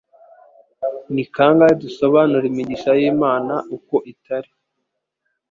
Ni kangahe dusobanura imigisha y'Imana uko itari,